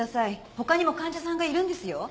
他にも患者さんがいるんですよ。